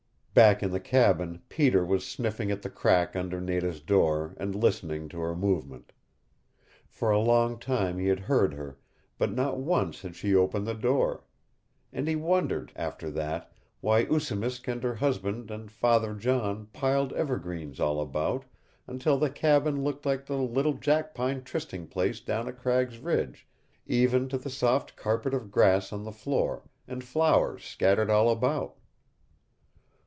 Back in the cabin Peter was sniffing at the crack under Nada's door, and listening to her movement. For a long time he had heard her, but not once had she opened the door. And he wondered, after that, why Oosimisk and her husband and Father John piled evergreens all about, until the cabin looked like the little jackpine trysting place down at Cragg's Ridge, even to the soft carpet of grass on the floor, and flowers scattered all about.